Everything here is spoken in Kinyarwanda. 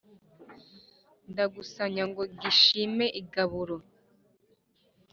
Ndakusanya ngo gishime igaburo.